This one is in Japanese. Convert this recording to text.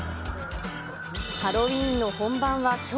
ハロウィーンの本番はきょう。